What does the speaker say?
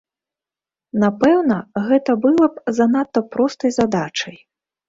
Напэўна, гэта была б занадта простай задачай.